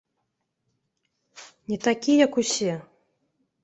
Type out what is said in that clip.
Не такі, як усе.